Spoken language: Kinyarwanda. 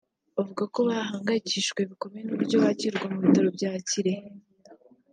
Bavuga ko bahangayikishijwe bikomeye n’uburyo bakirwa mu bitaro bya Kirehe